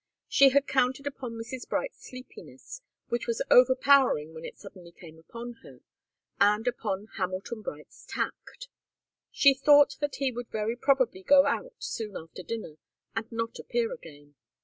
She had counted upon Mrs. Bright's sleepiness, which was overpowering when it suddenly came upon her, and upon Hamilton Bright's tact. She thought that he would very probably go out soon after dinner and not appear again.